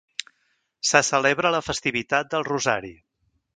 Se celebra la festivitat del Rosari.